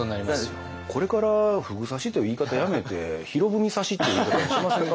これから「ふぐ刺し」という言い方やめて「博文刺し」っていう言い方にしませんか？